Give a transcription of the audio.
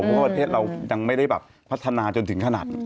เพราะว่าประเทศเรายังไม่ได้แบบพัฒนาจนถึงขนาด